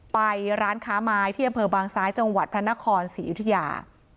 ไปร้านค้าไม้ที่อำเภอบางซ้ายจังหวัดพระนครศรีอยุธยา